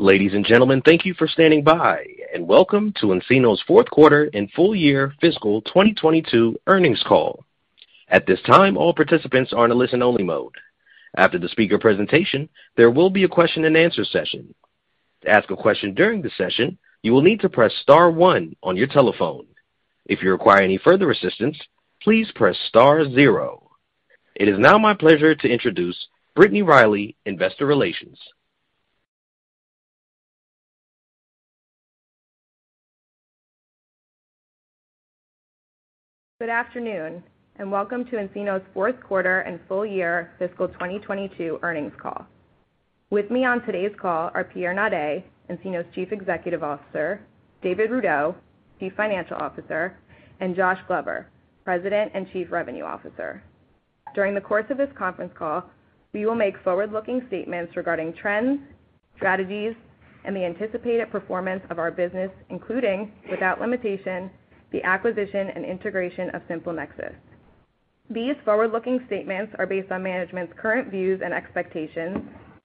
Ladies and gentlemen, thank you for standing by, and welcome to nCino's fourth quarter and full year fiscal 2022 earnings call. At this time, all participants are in a listen-only mode. After the speaker presentation, there will be a question-and-answer session. To ask a question during the session, you will need to press star one on your telephone. If you require any further assistance, please press star zero. It is now my pleasure to introduce Brittany Riley, Investor Relations. Good afternoon, and welcome to nCino's fourth quarter and full year fiscal 2022 earnings call. With me on today's call are Pierre Naudé, nCino's Chief Executive Officer, David Rudow, Chief Financial Officer, and Josh Glover, President and Chief Revenue Officer. During the course of this conference call, we will make forward-looking statements regarding trends, strategies, and the anticipated performance of our business, including, without limitation, the acquisition and integration of SimpleNexus. These forward-looking statements are based on management's current views and expectations,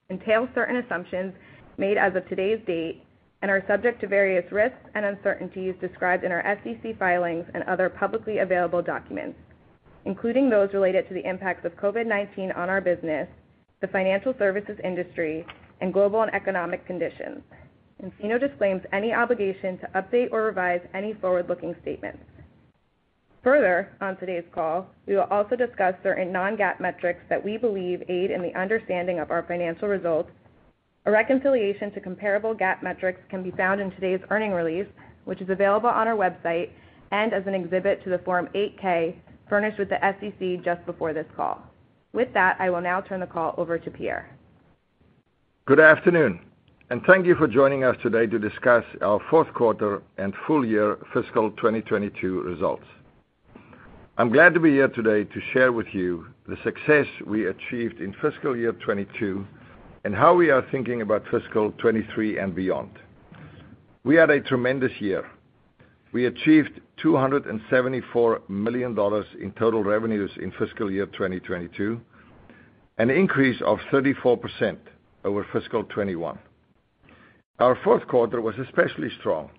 entail certain assumptions made as of today's date, and are subject to various risks and uncertainties described in our SEC filings and other publicly available documents, including those related to the impacts of COVID-19 on our business, the financial services industry, and global and economic conditions. nCino disclaims any obligation to update or revise any forward-looking statements. Further, on today's call, we will also discuss certain non-GAAP metrics that we believe aid in the understanding of our financial results. A reconciliation to comparable GAAP metrics can be found in today's earnings release, which is available on our website and as an exhibit to the Form 8-K furnished with the SEC just before this call. With that, I will now turn the call over to Pierre. Good afternoon, and thank you for joining us today to discuss our fourth quarter and full year fiscal 2022 results. I'm glad to be here today to share with you the success we achieved in fiscal year 2022 and how we are thinking about fiscal 2023 and beyond. We had a tremendous year. We achieved $274 million in total revenues in fiscal year 2022, an increase of 34% over fiscal 2021. Our fourth quarter was especially strong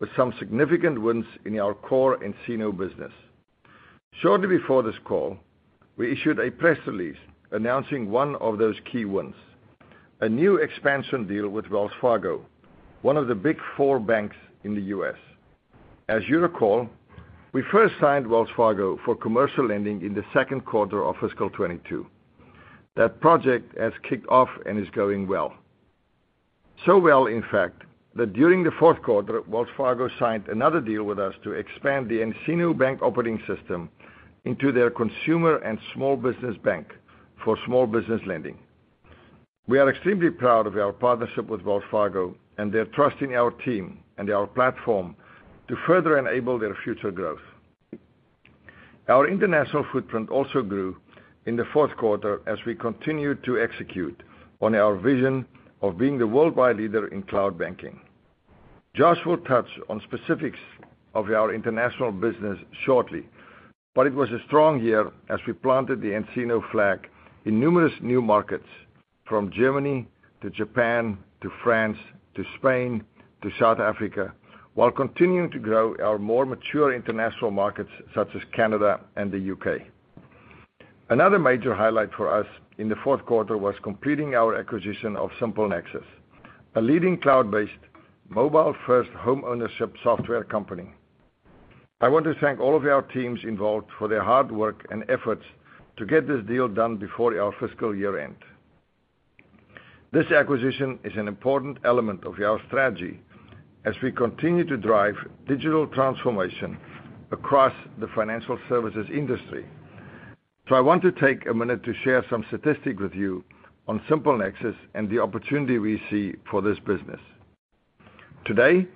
with some significant wins in our core nCino business. Shortly before this call, we issued a press release announcing one of those key wins, a new expansion deal with Wells Fargo, one of the big four banks in the U.S. As you recall, we first signed Wells Fargo for Commercial Lending in the second quarter of fiscal 2022. That project has kicked off and is going well. Well, in fact, that during the fourth quarter, Wells Fargo signed another deal with us to expand the nCino Bank Operating System into their consumer and small business bank for small business lending. We are extremely proud of our partnership with Wells Fargo and their trust in our team and our platform to further enable their future growth. Our international footprint also grew in the fourth quarter as we continued to execute on our vision of being the worldwide leader in cloud banking. Josh will touch on specifics of our international business shortly, but it was a strong year as we planted the nCino flag in numerous new markets from Germany to Japan to France to Spain to South Africa while continuing to grow our more mature international markets such as Canada and the U.K. Another major highlight for us in the fourth quarter was completing our acquisition of SimpleNexus, a leading cloud-based mobile-first homeownership software company. I want to thank all of our teams involved for their hard work and efforts to get this deal done before our fiscal year-end. This acquisition is an important element of our strategy as we continue to drive digital transformation across the financial services industry. I want to take a minute to share some statistics with you on SimpleNexus and the opportunity we see for this business. Today,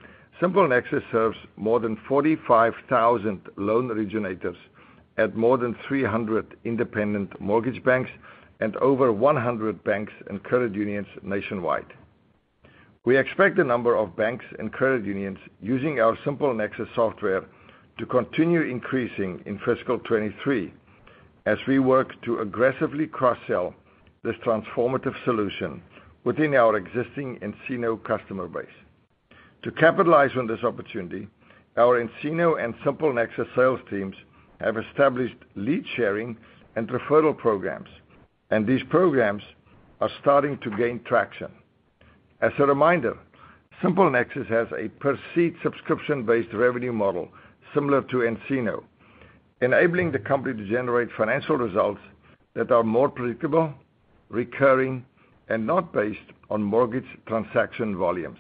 SimpleNexus serves more than 45,000 loan originators at more than 300 independent mortgage banks and over 100 banks and credit unions nationwide. We expect the number of banks and credit unions using our SimpleNexus software to continue increasing in fiscal 2023 as we work to aggressively cross-sell this transformative solution within our existing nCino customer base. To capitalize on this opportunity, our nCino and SimpleNexus sales teams have established lead sharing and referral programs, and these programs are starting to gain traction. As a reminder, SimpleNexus has a per seat subscription-based revenue model similar to nCino, enabling the company to generate financial results that are more predictable, recurring, and not based on mortgage transaction volumes.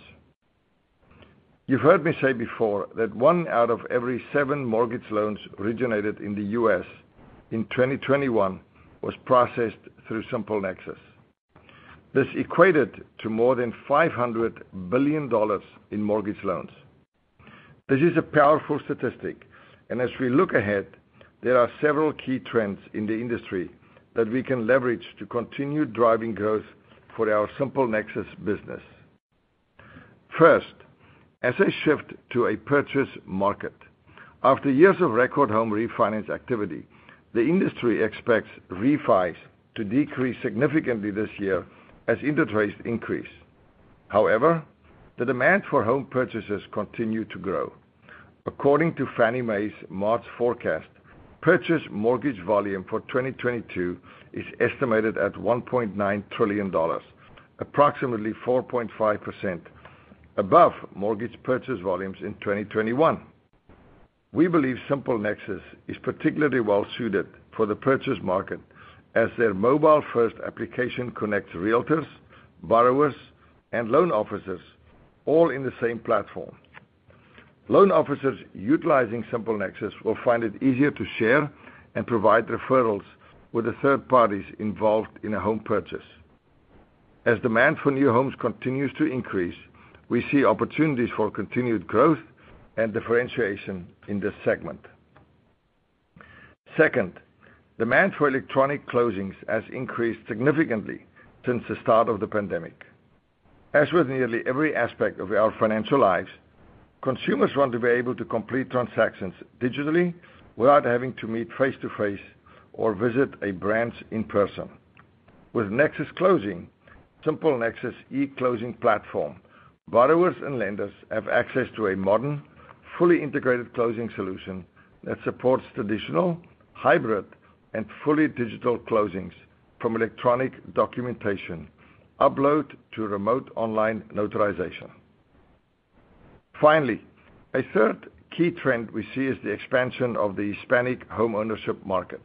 You've heard me say before that one out of every seven mortgage loans originated in the U.S. in 2021 was processed through SimpleNexus. This equated to more than $500 billion in mortgage loans. This is a powerful statistic, and as we look ahead, there are several key trends in the industry that we can leverage to continue driving growth for our SimpleNexus business. First, as a shift to a purchase market, after years of record home refinance activity, the industry expects refis to decrease significantly this year as interest rates increase. However, the demand for home purchases continue to grow. According to Fannie Mae's March forecast, purchase mortgage volume for 2022 is estimated at $1.9 trillion, approximately 4.5% above mortgage purchase volumes in 2021. We believe SimpleNexus is particularly well-suited for the purchase market as their mobile-first application connects realtors, borrowers, and loan officers all in the same platform. Loan officers utilizing SimpleNexus will find it easier to share and provide referrals with the third parties involved in a home purchase. As demand for new homes continues to increase, we see opportunities for continued growth and differentiation in this segment. Second, demand for electronic closings has increased significantly since the start of the pandemic. As with nearly every aspect of our financial lives, consumers want to be able to complete transactions digitally without having to meet face-to-face or visit a branch in person. With Nexus Closing, SimpleNexus e-closing platform, borrowers and lenders have access to a modern, fully integrated closing solution that supports traditional, hybrid, and fully digital closings from electronic documentation, upload to remote online notarization. Finally, a third key trend we see is the expansion of the Hispanic homeownership market.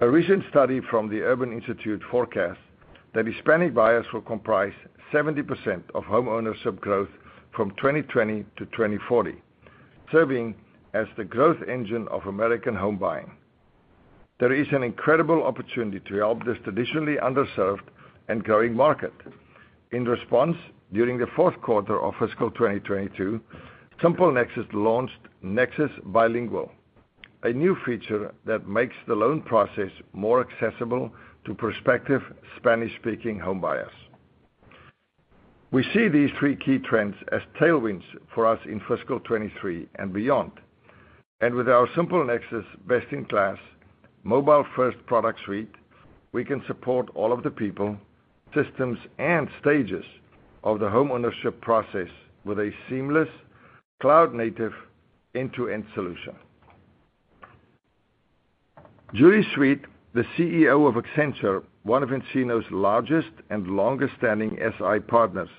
A recent study from the Urban Institute forecasts that Hispanic buyers will comprise 70% of homeownership growth from 2020-2040, serving as the growth engine of American home buying. There is an incredible opportunity to help this traditionally underserved and growing market. In response, during the fourth quarter of fiscal 2022, SimpleNexus launched Nexus Bilingual, a new feature that makes the loan process more accessible to prospective Spanish-speaking home buyers. We see these three key trends as tailwinds for us in fiscal 2023 and beyond. With our SimpleNexus best-in-class mobile-first product suite, we can support all of the people, systems, and stages of the homeownership process with a seamless cloud-native end-to-end solution. Julie Sweet, the CEO of Accenture, one of nCino's largest and longest-standing SI partners,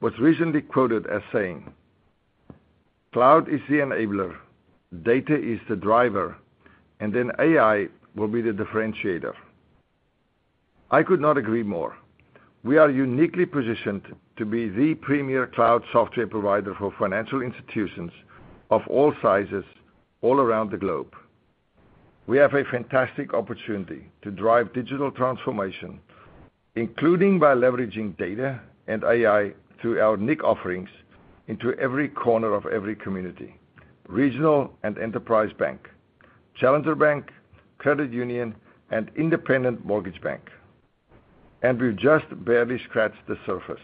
was recently quoted as saying, "Cloud is the enabler, data is the driver, and then AI will be the differentiator." I could not agree more. We are uniquely positioned to be the premier cloud software provider for financial institutions of all sizes all around the globe. We have a fantastic opportunity to drive digital transformation, including by leveraging data and AI through our nCino offerings into every corner of every community, regional and enterprise bank, challenger bank, credit union, and independent mortgage bank. We've just barely scratched the surface.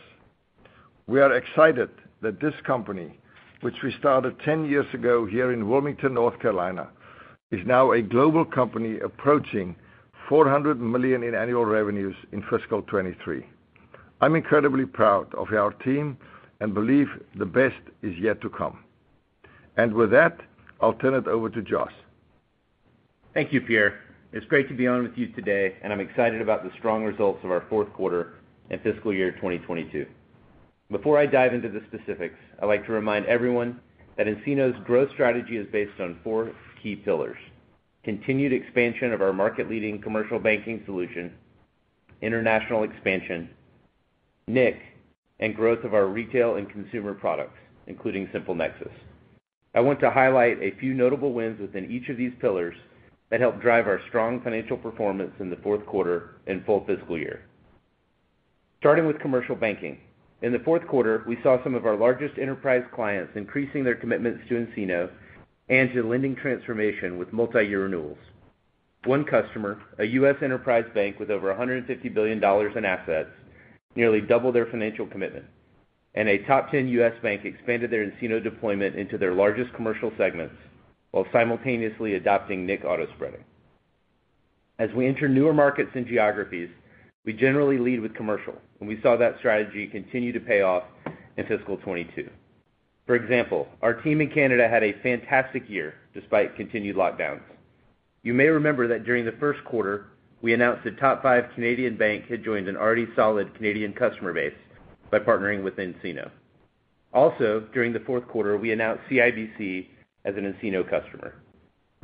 We are excited that this company, which we started 10 years ago here in Wilmington, North Carolina, is now a global company approaching $400 million in annual revenues in fiscal 2023. I'm incredibly proud of our team and believe the best is yet to come. With that, I'll turn it over to Josh. Thank you, Pierre. It's great to be on with you today, and I'm excited about the strong results of our fourth quarter and fiscal year 2022. Before I dive into the specifics, I'd like to remind everyone that nCino's growth strategy is based on four key pillars: continued expansion of our market-leading Commercial Banking solution, international expansion, nIQ, and growth of our retail and consumer products, including SimpleNexus. I want to highlight a few notable wins within each of these pillars that help drive our strong financial performance in the fourth quarter and full fiscal year. Starting with Commercial Banking, in the fourth quarter, we saw some of our largest enterprise clients increasing their commitments to nCino and to lending transformation with multi-year renewals. One customer, a U.S. enterprise bank with over $150 billion in assets, nearly doubled their financial commitment, and a top 10 U.S. bank expanded their nCino deployment into their largest commercial segments while simultaneously adopting nIQ Automated Spreading. As we enter newer markets and geographies, we generally lead with commercial, and we saw that strategy continue to pay off in fiscal 2022. For example, our team in Canada had a fantastic year despite continued lockdowns. You may remember that during the first quarter, we announced a top five Canadian bank had joined an already solid Canadian customer base by partnering with nCino. Also, during the fourth quarter, we announced CIBC as an nCino customer.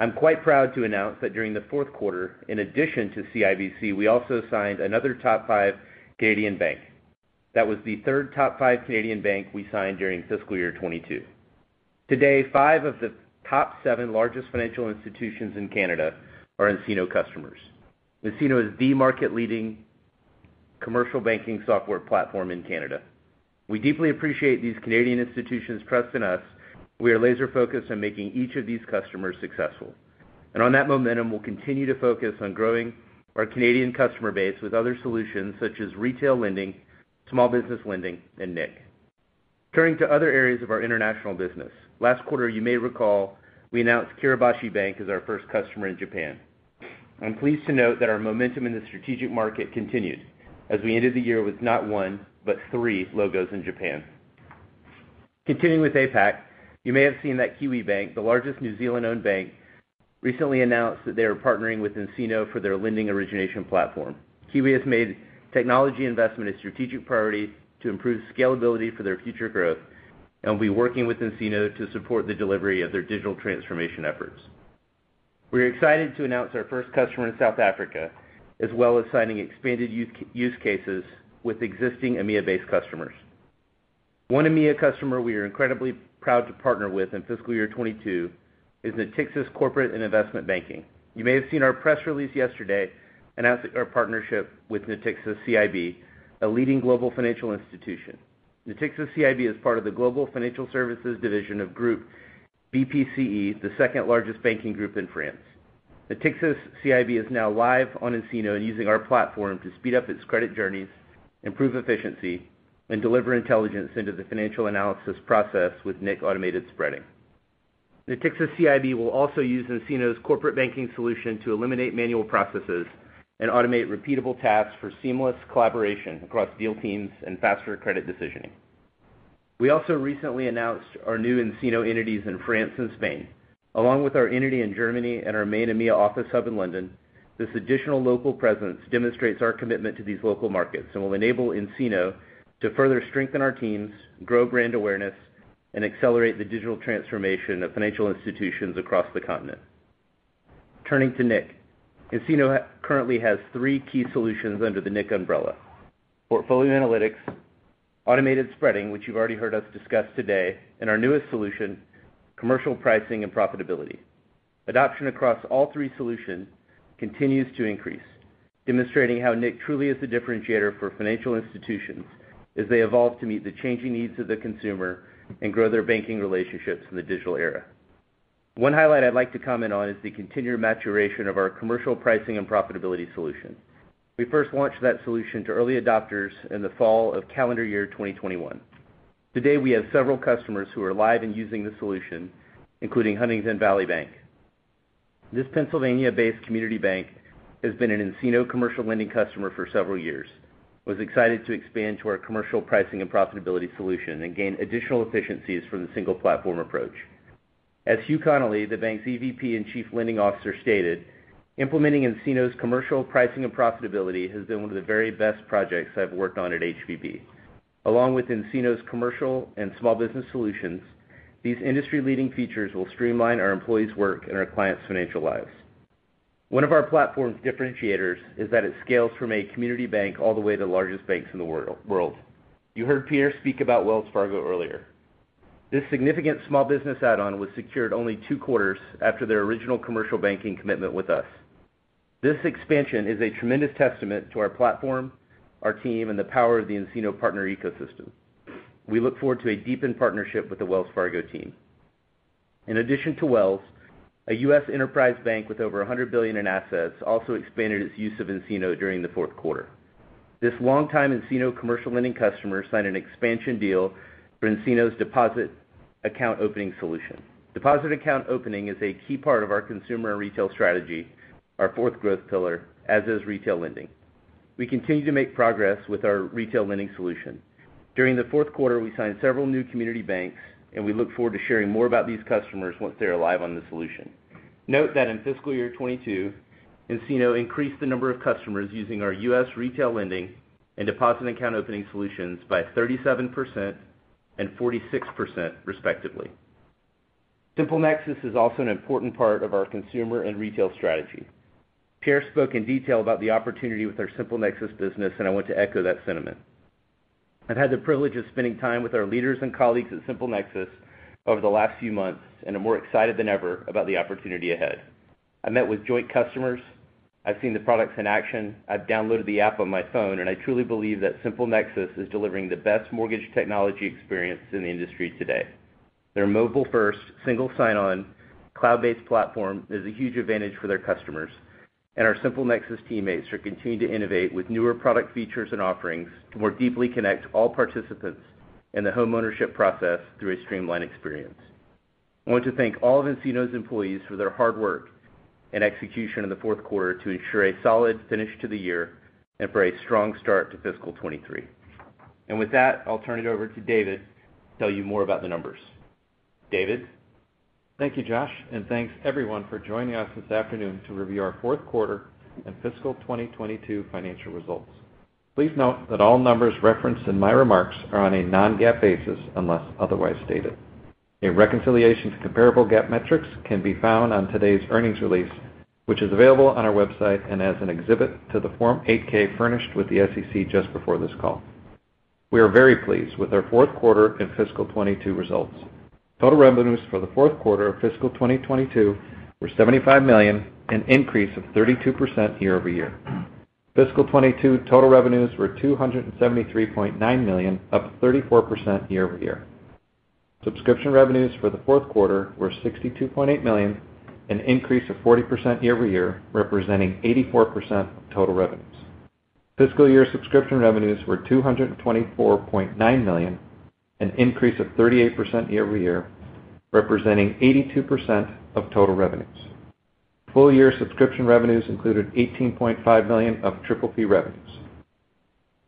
I'm quite proud to announce that during the fourth quarter, in addition to CIBC, we also signed another top five Canadian bank. That was the third top five Canadian bank we signed during fiscal year 2022. Today, five of the top seven largest financial institutions in Canada are nCino customers. nCino is the market-leading Commercial Banking software platform in Canada. We deeply appreciate these Canadian institutions trusting us. We are laser-focused on making each of these customers successful. On that momentum, we'll continue to focus on growing our Canadian customer base with other solutions such as retail lending, small business lending, and nIQ. Turning to other areas of our international business. Last quarter, you may recall we announced Kiraboshi Bank as our first customer in Japan. I'm pleased to note that our momentum in the strategic market continued as we ended the year with not one, but three logos in Japan. Continuing with APAC, you may have seen that Kiwibank, the largest New Zealand-owned bank, recently announced that they are partnering with nCino for their lending origination platform. Kiwi has made technology investment a strategic priority to improve scalability for their future growth and will be working with nCino to support the delivery of their digital transformation efforts. We're excited to announce our first customer in South Africa, as well as signing expanded use cases with existing EMEA-based customers. One EMEA customer we are incredibly proud to partner with in fiscal year 2022 is Natixis Corporate & Investment Banking. You may have seen our press release yesterday announcing our partnership with Natixis CIB, a leading global financial institution. Natixis CIB is part of the global financial services division of Groupe BPCE, the second-largest banking group in France. Natixis CIB is now live on nCino and using our platform to speed up its credit journeys, improve efficiency, and deliver intelligence into the financial analysis process with nIQ Automated Spreading. Natixis CIB will also use nCino's Corporate Banking solution to eliminate manual processes and automate repeatable tasks for seamless collaboration across deal teams and faster credit decisioning. We also recently announced our new nCino entities in France and Spain. Along with our entity in Germany and our main EMEA office hub in London, this additional local presence demonstrates our commitment to these local markets and will enable nCino to further strengthen our teams, grow brand awareness, and accelerate the digital transformation of financial institutions across the continent. Turning to nIQ. nCino currently has three key solutions under the nIQ umbrella: Portfolio Analytics, Automated Spreading, which you've already heard us discuss today, and our newest solution, Commercial Pricing and Profitability. Adoption across all three solutions continues to increase, demonstrating how nCino truly is the differentiator for financial institutions as they evolve to meet the changing needs of the consumer and grow their banking relationships in the digital era. One highlight I'd like to comment on is the continued maturation of our Commercial Pricing and Profitability solution. We first launched that solution to early adopters in the fall of calendar year 2021. Today, we have several customers who are live and using the solution, including Huntingdon Valley Bank. This Pennsylvania-based community bank has been an nCino Commercial Lending customer for several years, was excited to expand to our Commercial Pricing and Profitability solution and gain additional efficiencies from the single platform approach. As Hugh Connelly, the bank's EVP and Chief Lending Officer, stated, "Implementing nCino's Commercial Pricing and Profitability has been one of the very best projects I've worked on at HVB." Along with nCino's commercial and small business solutions, these industry-leading features will streamline our employees' work and our clients' financial lives." One of our platform's differentiators is that it scales from a community bank all the way to the largest banks in the world. You heard Pierre speak about Wells Fargo earlier. This significant small business add-on was secured only two quarters after their original Commercial Banking commitment with us. This expansion is a tremendous testament to our platform, our team, and the power of the nCino partner ecosystem. We look forward to a deepened partnership with the Wells Fargo team. In addition to Wells, a U.S. enterprise bank with over 100 billion in assets also expanded its use of nCino during the fourth quarter. This long-time nCino Commercial Lending customer signed an expansion deal for nCino's Deposit Account Opening solution. Deposit Account Opening is a key part of our consumer and retail strategy, our fourth growth pillar, as is retail lending. We continue to make progress with our retail lending solution. During the fourth quarter, we signed several new community banks, and we look forward to sharing more about these customers once they are live on the solution. Note that in fiscal year 2022, nCino increased the number of customers using our U.S. retail lending and Deposit Account Opening solutions by 37% and 46% respectively. SimpleNexus is also an important part of our consumer and retail strategy. Pierre spoke in detail about the opportunity with our SimpleNexus business, and I want to echo that sentiment. I've had the privilege of spending time with our leaders and colleagues at SimpleNexus over the last few months, and I'm more excited than ever about the opportunity ahead. I met with joint customers. I've seen the products in action. I've downloaded the app on my phone, and I truly believe that SimpleNexus is delivering the best mortgage technology experience in the industry today. Their mobile-first, single sign-on, cloud-based platform is a huge advantage for their customers, and our SimpleNexus teammates are continuing to innovate with newer product features and offerings to more deeply connect all participants in the homeownership process through a streamlined experience. I want to thank all of nCino's employees for their hard work and execution in the fourth quarter to ensure a solid finish to the year and for a strong start to fiscal 2023. With that, I'll turn it over to David to tell you more about the numbers. David? Thank you, Josh, and thanks everyone for joining us this afternoon to review our fourth quarter and fiscal 2022 financial results. Please note that all numbers referenced in my remarks are on a non-GAAP basis unless otherwise stated. A reconciliation to comparable GAAP metrics can be found on today's earnings release, which is available on our website and as an exhibit to the Form 8-K furnished with the SEC just before this call. We are very pleased with our fourth quarter and fiscal 2022 results. Total revenues for the fourth quarter of fiscal 2022 were $75 million, an increase of 32% year-over-year. Fiscal 2022 total revenues were $273.9 million, up 34% year-over-year. Subscription revenues for the fourth quarter were $62.8 million, an increase of 40% year-over-year, representing 84% of total revenues. Fiscal year subscription revenues were $224.9 million, an increase of 38% year-over-year, representing 82% of total revenues. Full year subscription revenues included $18.5 million of PPP revenues.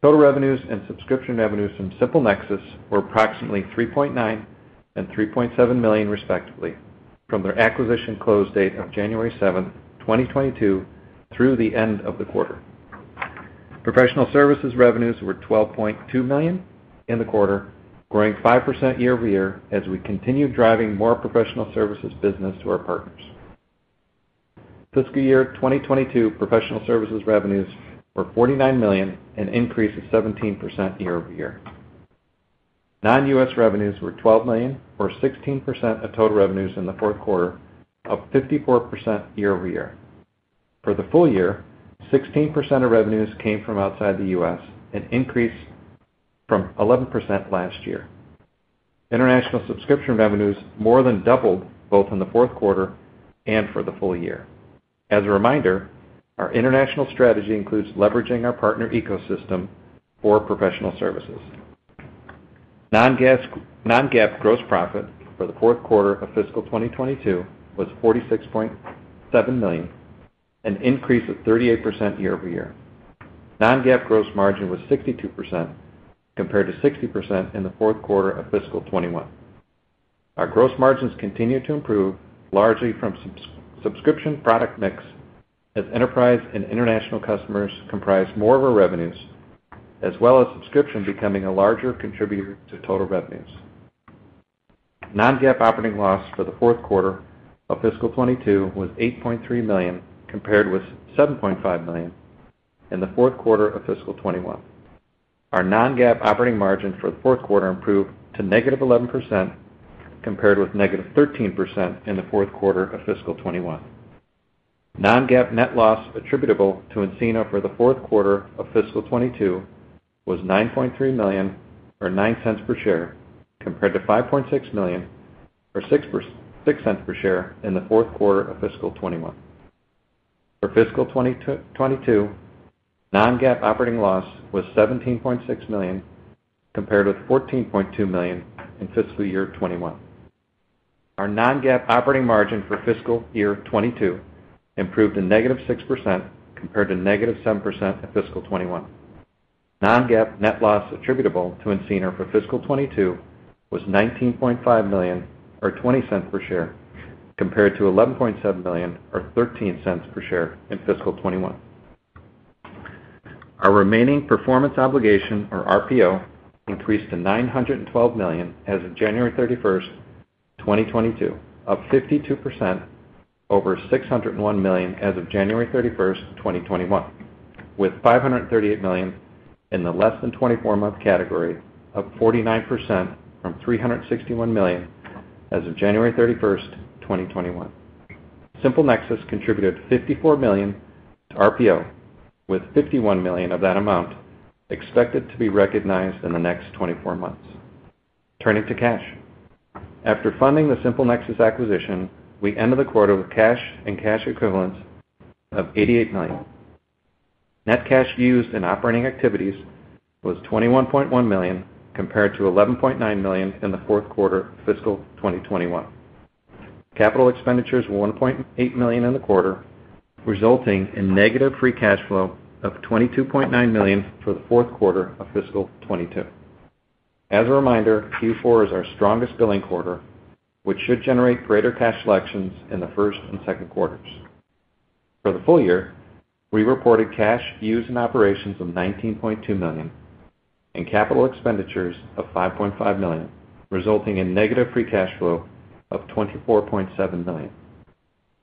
Total revenues and subscription revenues from SimpleNexus were approximately $3.9 million and $3.7 million, respectively, from their acquisition close date of January 7th, 2022 through the end of the quarter. Professional services revenues were $12.2 million in the quarter, growing 5% year-over-year as we continue driving more professional services business to our partners. Fiscal year 2022 professional services revenues were $49 million, an increase of 17% year-over-year. Non-U.S. revenues were $12 million or 16% of total revenues in the fourth quarter, up 54% year-over-year. For the full year, 16% of revenues came from outside the U.S., an increase from 11% last year. International subscription revenues more than doubled both in the fourth quarter and for the full year. As a reminder, our international strategy includes leveraging our partner ecosystem for professional services. Non-GAAP gross profit for the fourth quarter of fiscal 2022 was $46.7 million, an increase of 38% year-over-year. Non-GAAP gross margin was 62% compared to 60% in the fourth quarter of fiscal 2021. Our gross margins continued to improve largely from subscription product mix as enterprise and international customers comprise more of our revenues, as well as subscription becoming a larger contributor to total revenues. Non-GAAP operating loss for the fourth quarter of fiscal 2022 was $8.3 million, compared with $7.5 million in the fourth quarter of fiscal 2021. Our non-GAAP operating margin for the fourth quarter improved to -11% compared with -13% in the fourth quarter of fiscal 2021. Non-GAAP net loss attributable to nCino for the fourth quarter of fiscal 2022 was $9.3 million or $0.09 per share, compared to $5.6 million or $0.06 per share in the fourth quarter of fiscal 2021. For fiscal 2022, non-GAAP operating loss was $17.6 million compared with $14.2 million in fiscal year 2021. Our non-GAAP operating margin for fiscal year 2022 improved to -6% compared to -7% in fiscal 2021. Non-GAAP net loss attributable to nCino for fiscal 2022 was $19.5 million or $0.20 per share, compared to $11.7 million or $0.13 per share in fiscal 2021. Our remaining performance obligation or RPO increased to $912 million as of January 31st, 2022, up 52% over $601 million as of January 31st, 2021, with $538 million in the less than 24-month category, up 49% from $361 million as of January 31st, 2021. SimpleNexus contributed $54 million to RPO, with $51 million of that amount expected to be recognized in the next 24 months. Turning to cash. After funding the SimpleNexus acquisition, we ended the quarter with cash and cash equivalents of $88 million. Net cash used in operating activities was $21.1 million, compared to $11.9 million in the fourth quarter of fiscal 2021. Capital expenditures were $1.8 million in the quarter, resulting in negative free cash flow of $22.9 million for the fourth quarter of fiscal 2022. As a reminder, Q4 is our strongest billing quarter, which should generate greater cash collections in the first and second quarters. For the full year, we reported cash used in operations of $19.2 million and capital expenditures of $5.5 million, resulting in negative free cash flow of $24.7 million.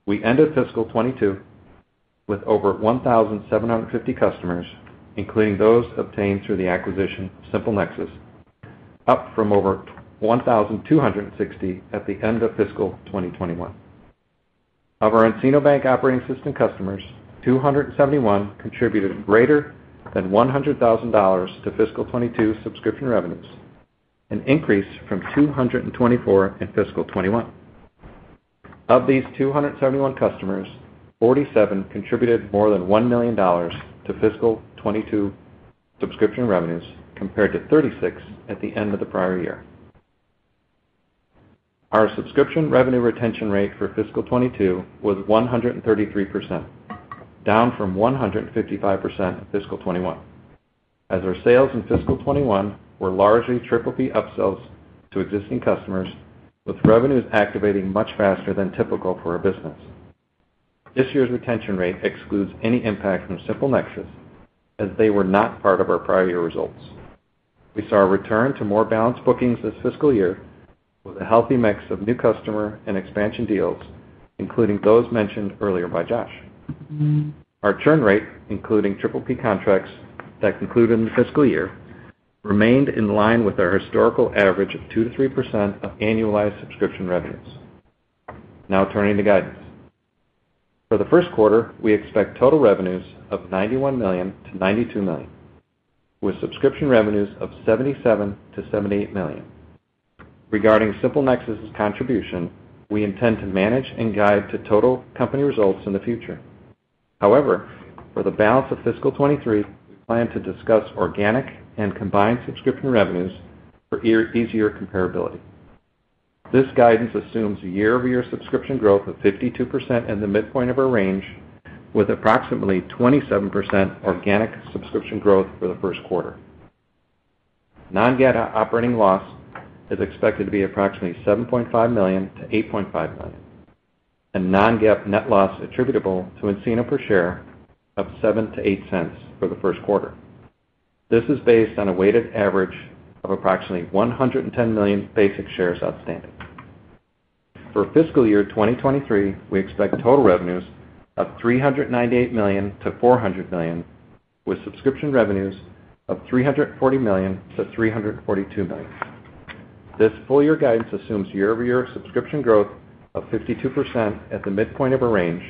We ended fiscal 2022 with over 1,750 customers, including those obtained through the acquisition of SimpleNexus, up from over 1,260 at the end of fiscal 2021. Of our nCino Bank Operating System customers, 271 contributed greater than $100,000 to fiscal 2022 subscription revenues, an increase from 224 in fiscal 2021. Of these 271 customers, 47 contributed more than $1 million to fiscal 2022 subscription revenues, compared to 36 at the end of the prior year. Our subscription revenue retention rate for fiscal 2022 was 133%, down from 155% in fiscal 2021, as our sales in fiscal 2021 were largely PPP upsells to existing customers, with revenues activating much faster than typical for our business. This year's retention rate excludes any impact from SimpleNexus, as they were not part of our prior year results. We saw a return to more balanced bookings this fiscal year with a healthy mix of new customer and expansion deals, including those mentioned earlier by Josh. Our churn rate, including PPP contracts that concluded in the fiscal year, remained in line with our historical average of 2%-3% of annualized subscription revenues. Now turning to guidance. For the first quarter, we expect total revenues of $91 million-$92 million, with subscription revenues of $77 million-$78 million. Regarding SimpleNexus's contribution, we intend to manage and guide to total company results in the future. However, for the balance of fiscal 2023, we plan to discuss organic and combined subscription revenues for easier comparability. This guidance assumes year-over-year subscription growth of 52% in the midpoint of our range, with approximately 27% organic subscription growth for the first quarter. Non-GAAP operating loss is expected to be approximately $7.5 million-$8.5 million, and non-GAAP net loss attributable to nCino per share of $0.07-$0.08 for the first quarter. This is based on a weighted average of approximately 110 million basic shares outstanding. For fiscal year 2023, we expect total revenues of $398 million-$400 million, with subscription revenues of $340 million-$342 million. This full year guidance assumes year-over-year subscription growth of 52% at the midpoint of a range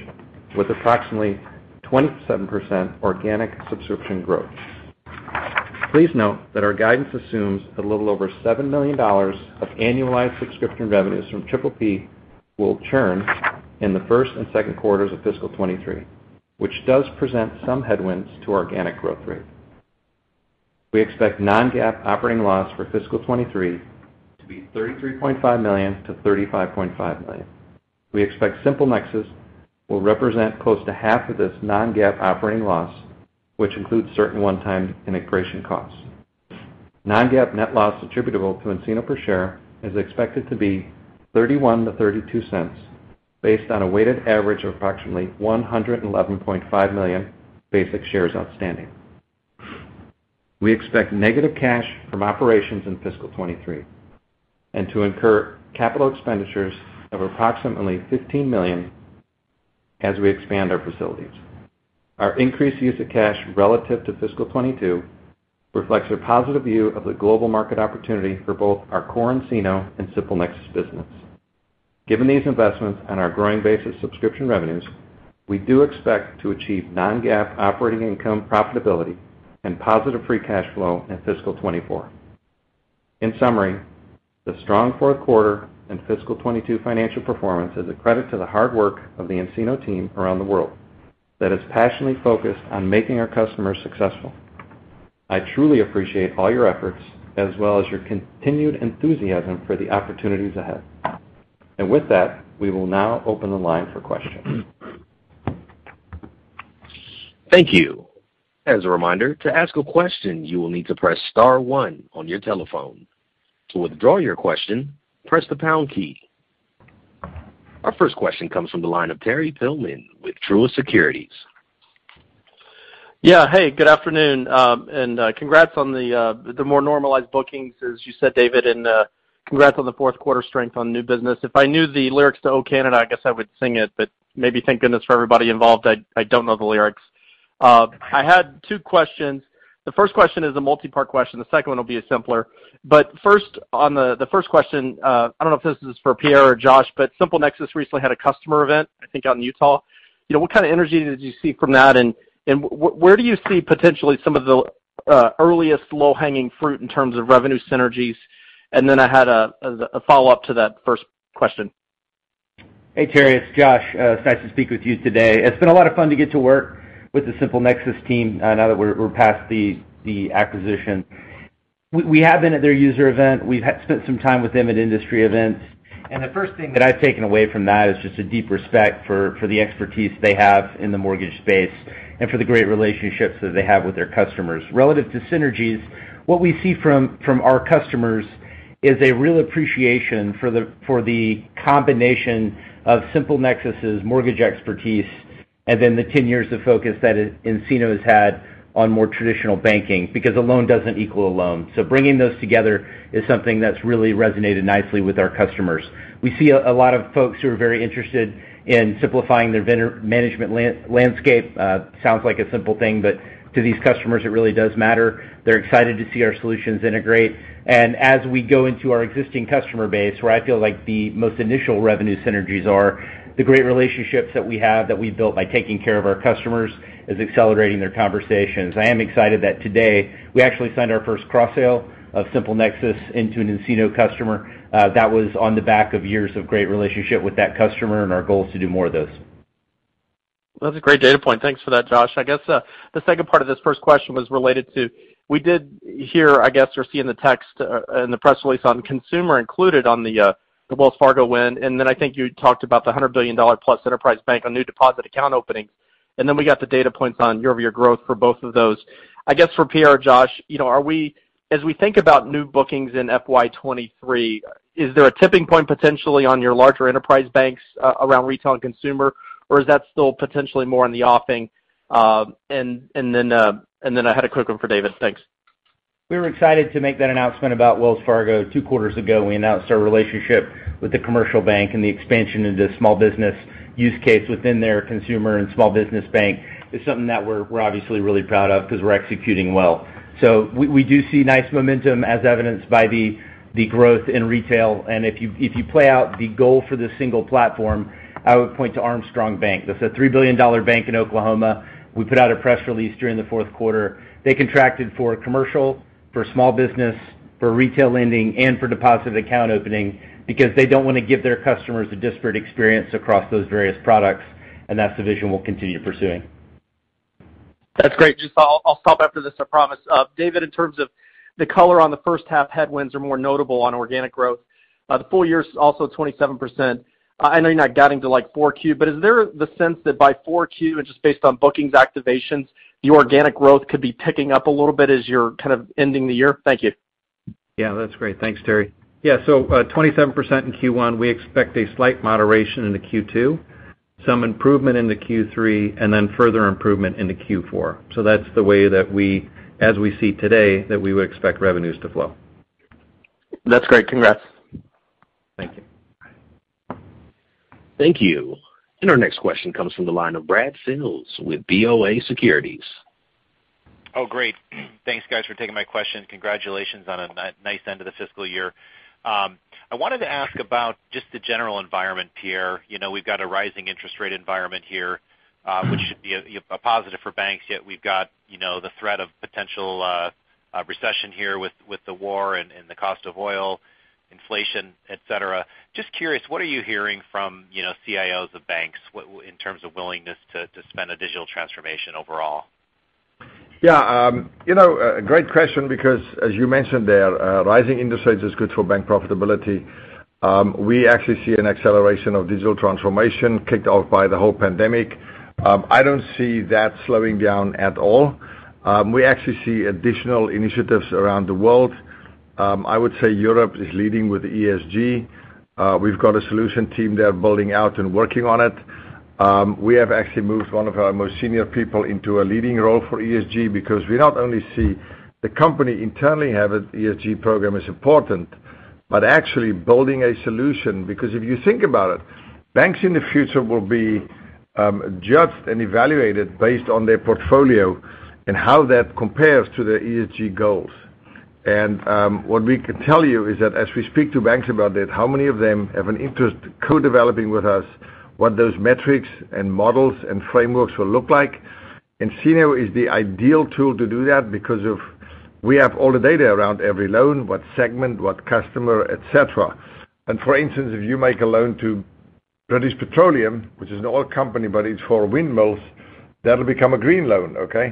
with approximately 27% organic subscription growth. Please note that our guidance assumes a little over $7 million of annualized subscription revenues from PPP will churn in the first and second quarters of fiscal 2023, which does present some headwinds to organic growth rate. We expect non-GAAP operating loss for fiscal 2023 to be $33.5 million-$35.5 million. We expect SimpleNexus will represent close to half of this non-GAAP operating loss, which includes certain one-time integration costs. Non-GAAP net loss attributable to nCino per share is expected to be $0.31-$0.32 based on a weighted average of approximately 111.5 million basic shares outstanding. We expect negative cash from operations in fiscal 2023, and to incur capital expenditures of approximately $15 million as we expand our facilities. Our increased use of cash relative to fiscal 2022 reflects a positive view of the global market opportunity for both our core nCino and SimpleNexus business. Given these investments and our growing base of subscription revenues, we do expect to achieve non-GAAP operating income profitability and positive free cash flow in fiscal 2024. In summary, the strong fourth quarter and fiscal 2022 financial performance is a credit to the hard work of the nCino team around the world that is passionately focused on making our customers successful. I truly appreciate all your efforts as well as your continued enthusiasm for the opportunities ahead. With that, we will now open the line for questions. Thank you. As a reminder, to ask a question, you will need to press star one on your telephone. To withdraw your question, press the pound key. Our first question comes from the line of Terry Tillman with Truist Securities. Yeah. Hey, good afternoon. And congrats on the more normalized bookings, as you said, David, and congrats on the fourth quarter strength on new business. If I knew the lyrics to "O Canada," I guess I would sing it, but maybe thank goodness for everybody involved, I don't know the lyrics. I had two questions. The first question is a multi-part question. The second one will be simpler. First, on the first question, I don't know if this is for Pierre or Josh, but SimpleNexus recently had a customer event, I think, out in Utah. You know, what kind of energy did you see from that? And where do you see potentially some of the earliest low-hanging fruit in terms of revenue synergies? And then I had a follow-up to that first question. Hey, Terry, it's Josh. It's nice to speak with you today. It's been a lot of fun to get to work with the SimpleNexus team now that we're past the acquisition. We have been at their user event. We've spent some time with them at industry events. The first thing that I've taken away from that is just a deep respect for the expertise they have in the mortgage space and for the great relationships that they have with their customers. Relative to synergies, what we see from our customers is a real appreciation for the combination of SimpleNexus's mortgage expertise and then the 10 years of focus that nCino has had on more traditional banking because a loan doesn't equal a loan. Bringing those together is something that's really resonated nicely with our customers. We see a lot of folks who are very interested in simplifying their vendor management landscape. Sounds like a simple thing, but to these customers, it really does matter. They're excited to see our solutions integrate. As we go into our existing customer base, where I feel like the most initial revenue synergies are, the great relationships that we have, that we've built by taking care of our customers is accelerating their conversations. I am excited that today we actually signed our first cross-sale of SimpleNexus into an nCino customer, that was on the back of years of great relationship with that customer and our goals to do more of those. That's a great data point. Thanks for that, Josh. I guess the second part of this first question was related to, we did hear, I guess, or see in the text in the press release on consumer included on the Wells Fargo win. And then I think you talked about the $100 billion+ enterprise bank on new Deposit Account Openings. And then we got the data points on year-over-year growth for both of those. I guess for Pierre or Josh, you know, are we, as we think about new bookings in FY 2023, is there a tipping point potentially on your larger enterprise banks around retail and consumer, or is that still potentially more in the offing? And then I had a quick one for David. Thanks. We were excited to make that announcement about Wells Fargo two quarters ago. We announced our relationship with the commercial bank, and the expansion into small business use case within their consumer and small business bank is something that we're obviously really proud of because we're executing well. We do see nice momentum as evidenced by the growth in retail. If you play out the goal for the single platform, I would point to Armstrong Bank. That's a $3 billion bank in Oklahoma. We put out a press release during the fourth quarter. They contracted for commercial, for small business, for retail lending, and for Deposit Account Opening because they don't want to give their customers a disparate experience across those various products, and that's the vision we'll continue pursuing. That's great. Just, I'll stop after this, I promise. David, in terms of the color on the first half headwinds are more notable on organic growth. The full year is also 27%. I know you're not guiding to like Q4, but is there the sense that by Q4, and just based on bookings activations, the organic growth could be picking up a little bit as you're kind of ending the year? Thank you. Yeah, that's great. Thanks, Terry. Yeah, so, 27% in Q1. We expect a slight moderation into Q2, some improvement into Q3, and then further improvement into Q4. That's the way that we, as we see today, that we would expect revenues to flow. That's great. Congrats. Thank you. Thank you. Our next question comes from the line of Brad Sills with BofA Securities. Oh, great. Thanks guys for taking my question. Congratulations on a nice end of the fiscal year. I wanted to ask about just the general environment, Pierre. You know, we've got a rising interest rate environment here, which should be a, you know, a positive for banks, yet we've got, you know, the threat of potential recession here with the war and the cost of oil, inflation, etc. Just curious, what are you hearing from, you know, CIOs of banks in terms of willingness to spend on digital transformation overall? Yeah, you know, a great question because as you mentioned there, rising interest rates is good for bank profitability. We actually see an acceleration of digital transformation kicked off by the whole pandemic. I don't see that slowing down at all. We actually see additional initiatives around the world. I would say Europe is leading with ESG. We've got a solution team there building out and working on it. We have actually moved one of our most senior people into a leading role for ESG because we not only see the company internally have an ESG program is important, but actually building a solution. Because if you think about it, banks in the future will be judged and evaluated based on their portfolio and how that compares to their ESG goals. What we can tell you is that as we speak to banks about that, how many of them have an interest co-developing with us what those metrics and models and frameworks will look like. nCino is the ideal tool to do that because we have all the data around every loan, what segment, what customer, etc. For instance, if you make a loan to BP, which is an oil company, but it's for windmills, that'll become a green loan, okay?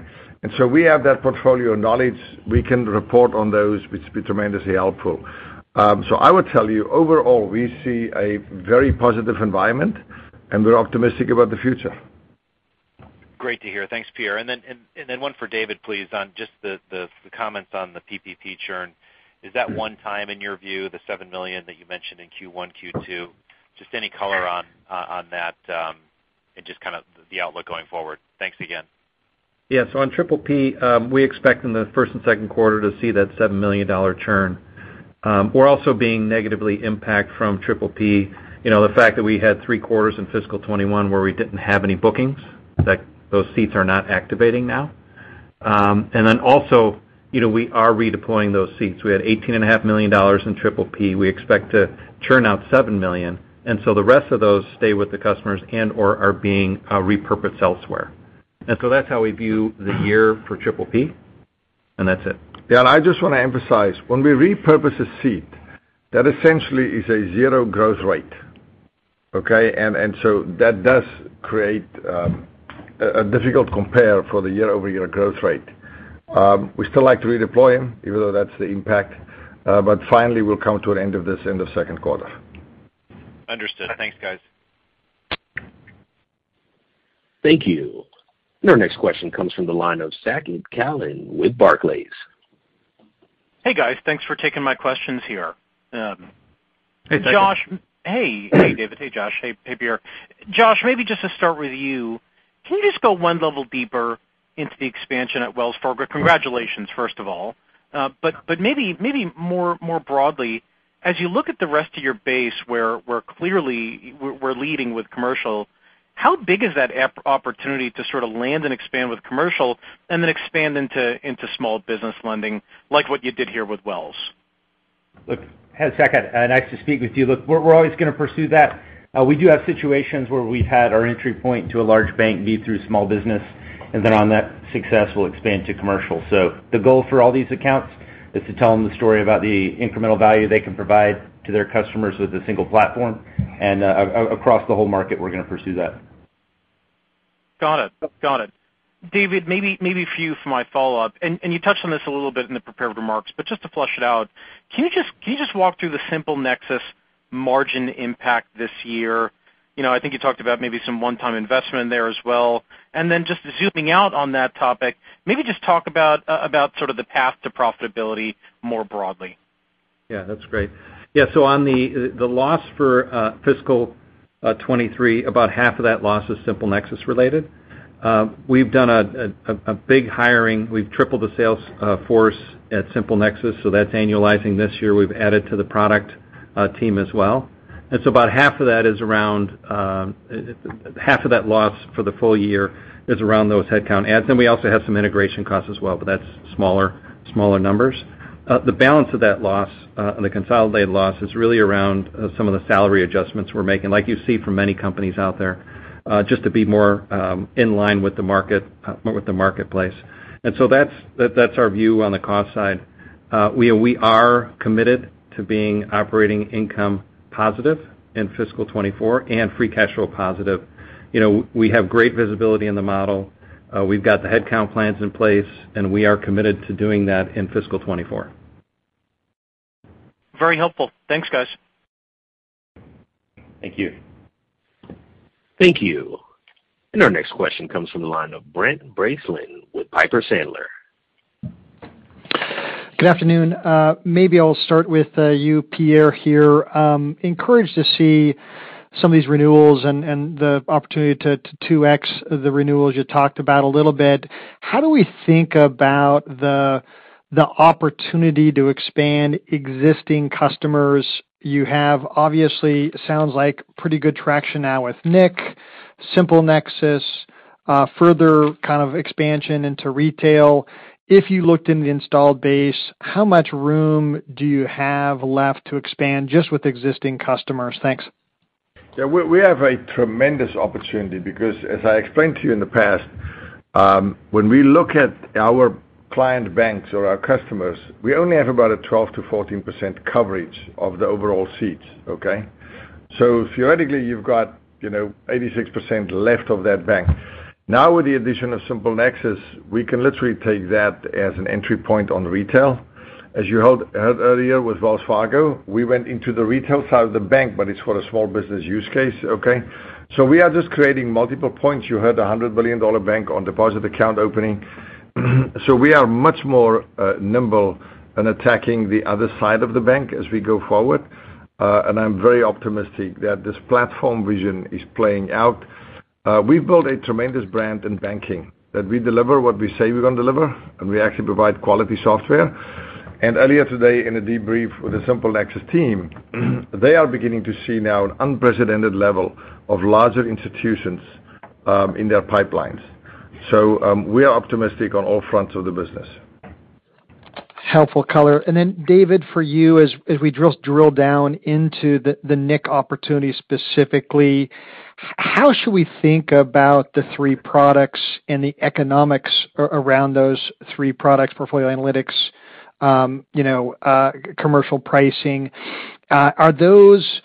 We have that portfolio knowledge, we can report on those, which will be tremendously helpful. I would tell you, overall, we see a very positive environment, and we're optimistic about the future. Great to hear. Thanks, Pierre. Then one for David, please, on just the comments on the PPP churn. Is that one time in your view, the $7 million that you mentioned in Q1, Q2? Just any color on that, and just kind of the outlook going forward. Thanks again. Yeah. On PPP, we expect in the first and second quarter to see that $7 million churn. We're also being negatively impacted from PPP. You know, the fact that we had three quarters in fiscal 2021 where we didn't have any bookings, that those seats are not activating now. You know, we are redeploying those seats. We had $18.5 million in PPP. We expect to churn out $7 million. The rest of those stay with the customers and/or are being repurposed elsewhere. That's how we view the year for PPP, and that's it. Yeah, I just wanna emphasize, when we repurpose a seat, that essentially is a zero growth rate, okay? That does create a difficult compare for the year-over-year growth rate. We still like to redeploy them, even though that's the impact. Finally, we'll come to an end of second quarter. Understood. Thanks, guys. Thank you. Our next question comes from the line of Saket Kalia with Barclays. Hey, guys. Thanks for taking my questions here. Hey, Saket. Hey, David. Hey, Josh. Hey, Pierre. Josh, maybe just to start with you, can you just go one level deeper into the expansion at Wells Fargo? Congratulations, first of all. But maybe more broadly, as you look at the rest of your base, where we're clearly leading with commercial, how big is that opportunity to sort of land and expand with commercial and then expand into small business lending like what you did here with Wells? Look, Saket, nice to speak with you. Look, we're always gonna pursue that. We do have situations where we've had our entry point to a large bank be through small business, and then on that success, we'll expand to commercial. The goal for all these accounts is to tell them the story about the incremental value they can provide to their customers with a single platform and across the whole market, we're gonna pursue that. Got it. David, maybe for you for my follow-up, and you touched on this a little bit in the prepared remarks, but just to flesh it out, can you just walk through the SimpleNexus margin impact this year? You know, I think you talked about maybe some one-time investment in there as well. Then just zooming out on that topic, maybe just talk about about sort of the path to profitability more broadly. Yeah, that's great. Yeah, on the loss for fiscal 2023, about half of that loss is SimpleNexus related. We've done a big hiring. We've tripled the sales force at SimpleNexus, so that's annualizing this year. We've added to the product team as well. About half of that is around half of that loss for the full year is around those headcount adds. We also have some integration costs as well, but that's smaller numbers. The balance of that loss, the consolidated loss is really around some of the salary adjustments we're making, like you see from many companies out there, just to be more in line with the market, with the marketplace. That's our view on the cost side. We are committed to being operating income positive in fiscal 2024 and free cash flow positive. You know, we have great visibility in the model. We've got the headcount plans in place, and we are committed to doing that in fiscal 2024. Very helpful. Thanks, guys. Thank you. Thank you. Our next question comes from the line of Brent Bracelin with Piper Sandler. Good afternoon. Maybe I'll start with you, Pierre, here. Encouraged to see some of these renewals and the opportunity to 2x the renewals you talked about a little bit. How do we think about the opportunity to expand existing customers you have? Obviously, sounds like pretty good traction now with nCino, SimpleNexus, further kind of expansion into retail. If you looked in the installed base, how much room do you have left to expand just with existing customers? Thanks. Yeah. We have a tremendous opportunity because as I explained to you in the past, when we look at our client banks or our customers, we only have about a 12%-14% coverage of the overall seats, okay? So theoretically, you've got, you know, 86% left of that bank. Now, with the addition of SimpleNexus, we can literally take that as an entry point on retail. As you heard earlier with Wells Fargo, we went into the retail side of the bank, but it's for a small business use case, okay? So we are just creating multiple points. You heard a $100 billion bank on Deposit Account Opening. So we are much more nimble in attacking the other side of the bank as we go forward. I'm very optimistic that this platform vision is playing out. We've built a tremendous brand in banking, that we deliver what we say we're gonna deliver, and we actually provide quality software. Earlier today in a debrief with the SimpleNexus team, they are beginning to see now an unprecedented level of larger institutions in their pipelines. We are optimistic on all fronts of the business. Helpful color. Then David, for you, as we drill down into the nIQ opportunity specifically, how should we think about the three products and the economics around those three products, Portfolio Analytics, you know, Commercial Pricing? Are those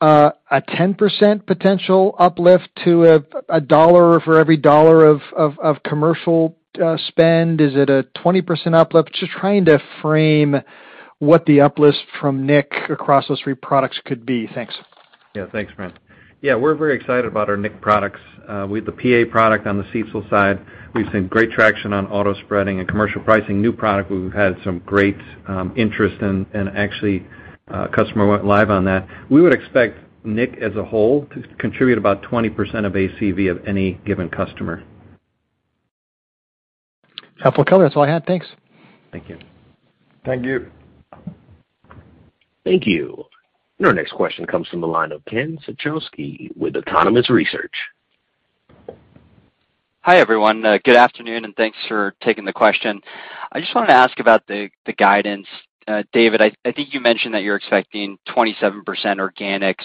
a 10% potential uplift to a dollar for every dollar of commercial spend? Is it a 20% uplift? Just trying to frame what the uplift from nIQ across those three products could be. Thanks. Yeah. Thanks, Brent. Yeah, we're very excited about our nIQ products. With the PA product on the CECL side, we've seen great traction on auto spreading and commercial pricing. New product, we've had some great interest and actually customer went live on that. We would expect nIQ as a whole to contribute about 20% of ACV of any given customer. Helpful color. That's all I had. Thanks. Thank you. Thank you. Thank you. Our next question comes from the line of Ken Suchoski with Autonomous Research. Hi, everyone. Good afternoon, and thanks for taking the question. I just wanted to ask about the guidance. David, I think you mentioned that you're expecting 27% organic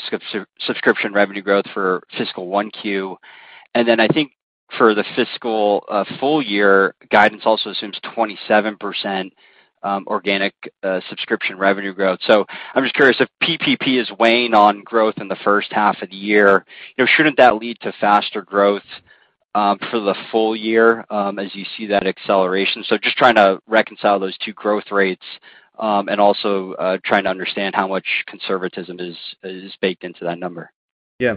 subscription revenue growth for fiscal 1Q. Then I think for the fiscal full year, guidance also assumes 27% organic subscription revenue growth. I'm just curious if PPP is weighing on growth in the first half of the year, you know, shouldn't that lead to faster growth for the full year as you see that acceleration? Just trying to reconcile those two growth rates and also trying to understand how much conservatism is baked into that number.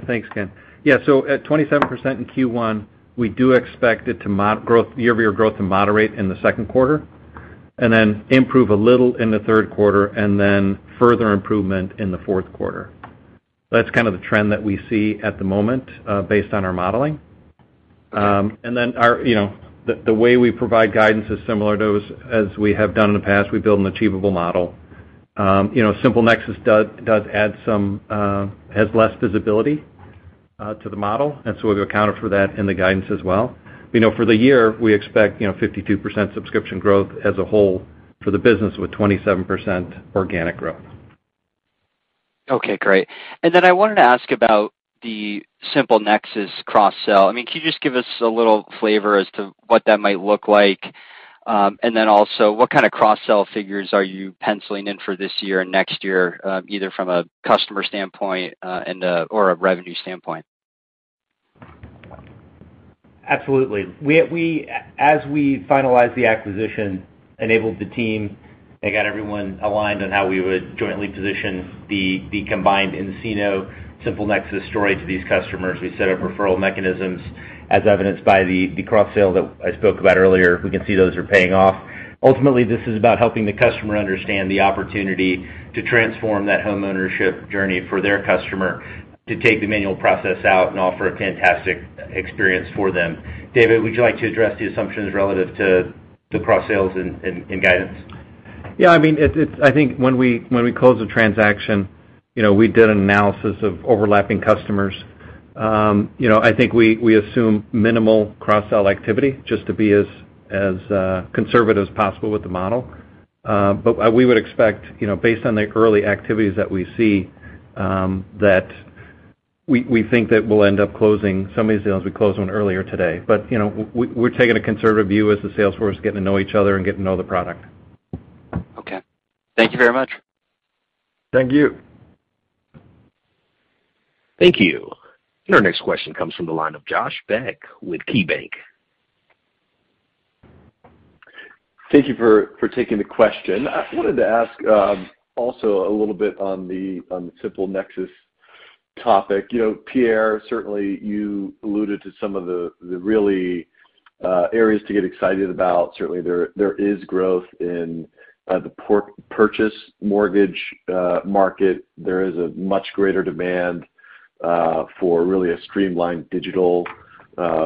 Thanks, Ken. Yeah, at 27% in Q1, we do expect year-over-year growth to moderate in the second quarter and then improve a little in the third quarter and then further improvement in the fourth quarter. That's kind of the trend that we see at the moment, based on our modeling. Our, you know. The way we provide guidance is similar to as we have done in the past. We build an achievable model. You know, SimpleNexus does add some, has less visibility to the model, and so we've accounted for that in the guidance as well. We know for the year, we expect, you know, 52% subscription growth as a whole for the business with 27% organic growth. Okay, great. I wanted to ask about the SimpleNexus cross-sell. I mean, can you just give us a little flavor as to what that might look like? Also, what kind of cross-sell figures are you penciling in for this year and next year, either from a customer standpoint, or a revenue standpoint? Absolutely. As we finalize the acquisition, we enabled the team, and got everyone aligned on how we would jointly position the combined nCino, SimpleNexus story to these customers. We set up referral mechanisms as evidenced by the cross-sell that I spoke about earlier. We can see those are paying off. Ultimately, this is about helping the customer understand the opportunity to transform that homeownership journey for their customer to take the manual process out and offer a fantastic experience for them. David, would you like to address the assumptions relative to the cross sales and guidance? Yeah. I mean, it's I think when we closed the transaction, you know, we did an analysis of overlapping customers. You know, I think we assume minimal cross-sell activity just to be as conservative as possible with the model. We would expect, you know, based on the early activities that we see, that we think that we'll end up closing some of these deals. We closed one earlier today. You know, we're taking a conservative view as the sales force getting to know each other and getting to know the product. Okay. Thank you very much. Thank you. Thank you. Our next question comes from the line of Josh Beck with KeyBanc. Thank you for taking the question. I wanted to ask also a little bit on the SimpleNexus topic. You know, Pierre, certainly you alluded to some of the really areas to get excited about. Certainly, there is growth in the purchase mortgage market. There is a much greater demand for really a streamlined digital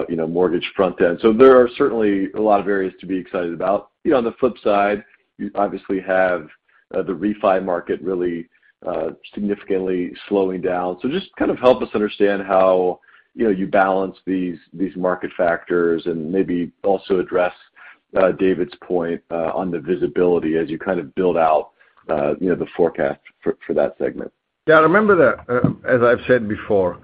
you know mortgage front end. There are certainly a lot of areas to be excited about. You know, on the flip side, you obviously have the refi market really significantly slowing down. Just kind of help us understand how you know you balance these market factors and maybe also address David's point on the visibility as you kind of build out you know the forecast for that segment. Yeah. Remember that, as I've said before,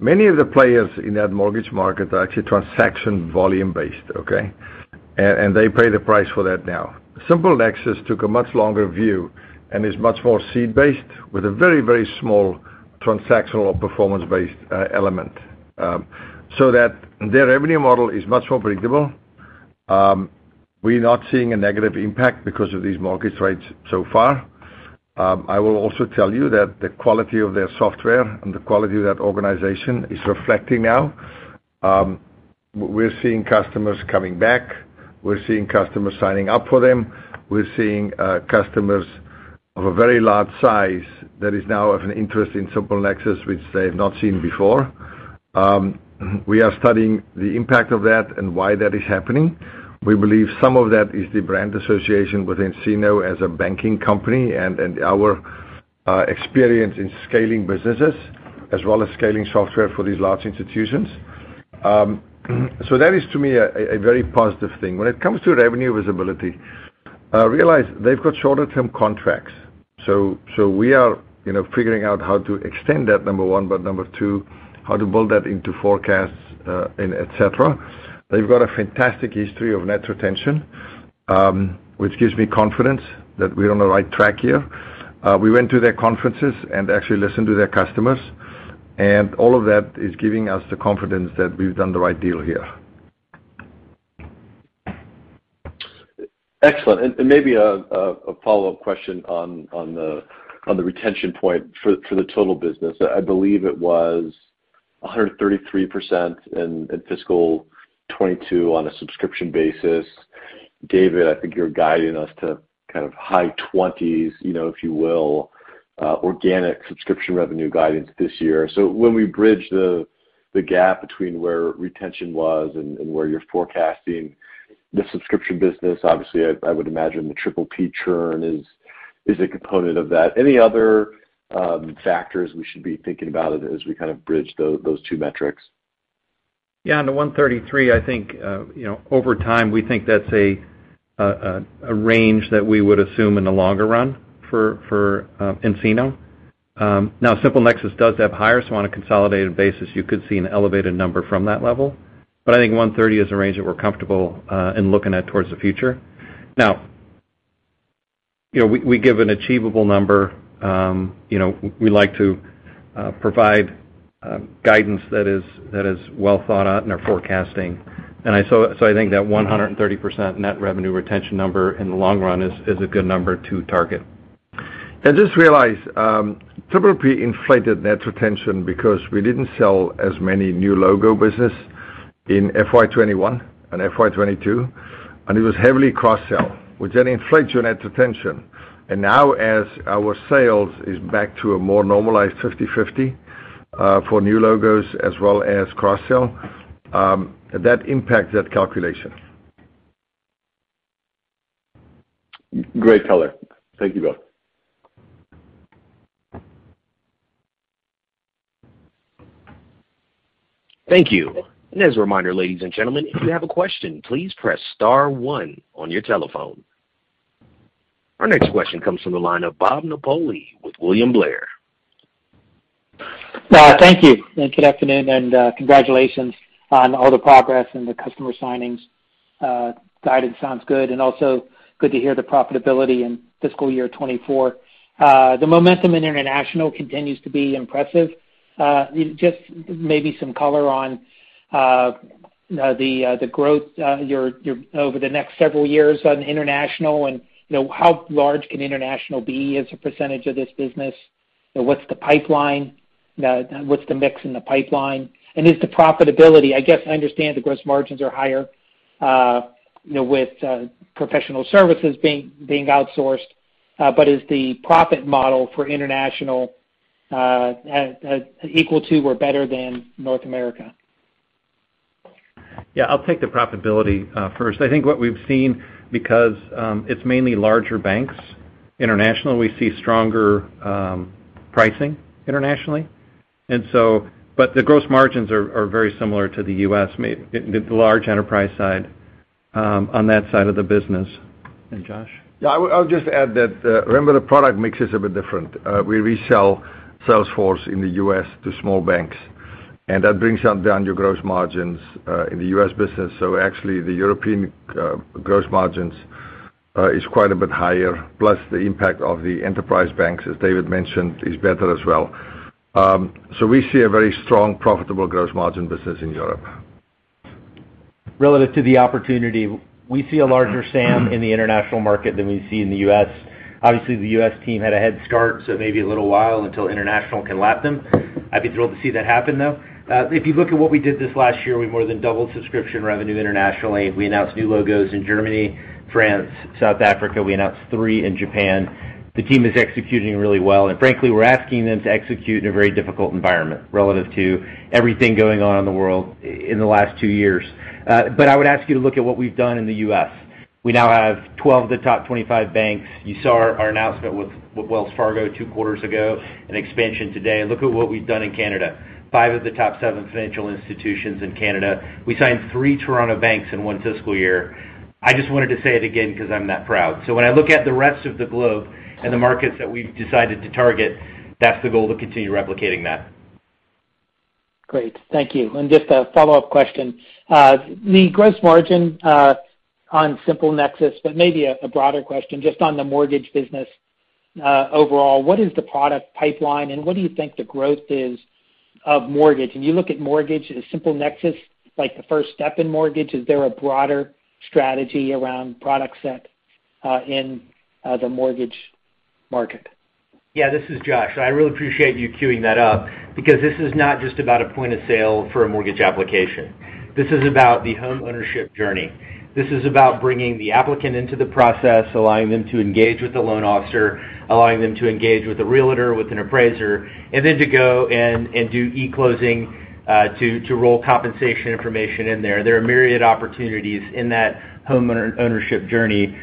many of the players in that mortgage market are actually transaction volume-based, okay? They pay the price for that now. SimpleNexus took a much longer view and is much more SaaS-based with a very, very small transactional performance-based element. So that their revenue model is much more predictable. We're not seeing a negative impact because of these mortgage rates so far. I will also tell you that the quality of their software and the quality of that organization is reflecting now. We're seeing customers coming back. We're seeing customers signing up for them. We're seeing customers of a very large size that is now of interest in SimpleNexus, which they have not seen before. We are studying the impact of that and why that is happening. We believe some of that is the brand association with nCino as a banking company and our experience in scaling businesses as well as scaling software for these large institutions. That is to me a very positive thing. When it comes to revenue visibility, we realize they've got shorter term contracts. We are, you know, figuring out how to extend that, number one, but number two, how to build that into forecasts and etc. They've got a fantastic history of net retention, which gives me confidence that we're on the right track here. We went to their conferences and actually listened to their customers, and all of that is giving us the confidence that we've done the right deal here. Excellent. Maybe a follow-up question on the retention point for the total business. I believe it was 133% in fiscal 2022 on a subscription basis. David, I think you're guiding us to kind of high 20s, you know, if you will, organic subscription revenue guidance this year. When we bridge the gap between where retention was and where you're forecasting the subscription business, obviously, I would imagine the PPP churn is a component of that. Any other factors we should be thinking about as we kind of bridge those two metrics? Yeah. On the 133%, I think, you know, over time, we think that's a range that we would assume in the longer run for nCino. Now, SimpleNexus does have higher, so on a consolidated basis, you could see an elevated number from that level. But I think 130% is a range that we're comfortable in looking at towards the future. Now, you know, we give an achievable number. You know, we like to provide guidance that is well thought out in our forecasting. I think that 130% net revenue retention number in the long run is a good number to target. Just realize, PPP inflated net retention because we didn't sell as many new logo business in FY 2021 and FY 2022, and it was heavily cross-sell, which then inflates your net retention. Now as our sales is back to a more normalized 50/50 for new logos as well as cross-sell, that impacts that calculation. Great color. Thank you both. Thank you. As a reminder, ladies and gentlemen, if you have a question, please press star one on your telephone. Our next question comes from the line of Bob Napoli with William Blair. Thank you and good afternoon, and congratulations on all the progress and the customer signings. Guidance sounds good, and also good to hear the profitability in fiscal year 2024. The momentum in international continues to be impressive. Just maybe some color on the growth over the next several years on international and, you know, how large can international be as a percentage of this business? What's the pipeline? What's the mix in the pipeline? And is the profitability? I guess I understand the gross margins are higher, you know, with professional services being outsourced. But is the profit model for international equal to or better than North America? Yeah, I'll take the profitability first. I think what we've seen, because it's mainly larger banks international, we see stronger pricing internationally. But the gross margins are very similar to the U.S., the large enterprise side on that side of the business. Josh? I'll just add that, remember the product mix is a bit different. We resell Salesforce in the U.S. to small banks, and that brings down your gross margins in the U.S. business. Actually the European gross margins is quite a bit higher, plus the impact of the enterprise banks, as David mentioned, is better as well. We see a very strong profitable gross margin business in Europe. Relative to the opportunity, we see a larger SAM in the international market than we see in the U.S. Obviously, the U.S. team had a head start, so it may be a little while until international can lap them. I'd be thrilled to see that happen, though. If you look at what we did this last year, we more than doubled subscription revenue internationally. We announced new logos in Germany, France, South Africa. We announced three in Japan. The team is executing really well, and frankly, we're asking them to execute in a very difficult environment relative to everything going on in the world in the last two years. I would ask you to look at what we've done in the U.S. We now have 12 of the top 25 banks. You saw our announcement with Wells Fargo two quarters ago, an expansion today. Look at what we've done in Canada. Five of the top seven financial institutions in Canada. We signed three Toronto banks in one fiscal year. I just wanted to say it again because I'm that proud. When I look at the rest of the globe and the markets that we've decided to target, that's the goal to continue replicating that. Great. Thank you. Just a follow-up question. The gross margin on SimpleNexus, but maybe a broader question just on the mortgage business. Overall, what is the product pipeline, and what do you think the growth is of mortgage? When you look at mortgage as SimpleNexus, like the first step in mortgage, is there a broader strategy around product set in the mortgage market? Yeah, this is Josh. I really appreciate you cueing that up because this is not just about a point of sale for a mortgage application. This is about the homeownership journey. This is about bringing the applicant into the process, allowing them to engage with the loan officer, allowing them to engage with a realtor, with an appraiser, and then to go and do e-closing, to roll compensation information in there. There are myriad opportunities in that homeownership journey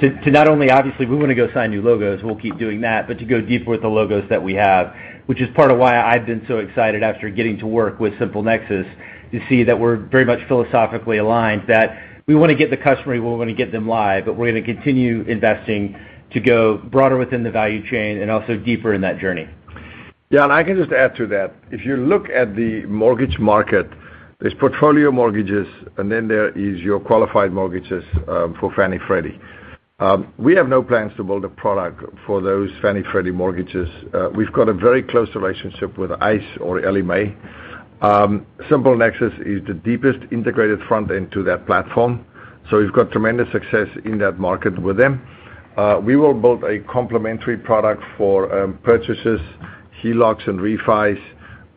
to not only obviously we want to go sign new logos, we'll keep doing that, but to go deeper with the logos that we have, which is part of why I've been so excited after getting to work with SimpleNexus to see that we're very much philosophically aligned, that we wanna get the customer, we wanna get them live, but we're gonna continue investing to go broader within the value chain and also deeper in that journey. Yeah, I can just add to that. If you look at the mortgage market, there's portfolio mortgages, and then there is your qualified mortgages for Fannie, Freddie. We have no plans to build a product for those Fannie, Freddie mortgages. We've got a very close relationship with ICE or Ellie Mae. SimpleNexus is the deepest integrated front end to that platform, so we've got tremendous success in that market with them. We will build a complementary product for purchases, HELOCs and refis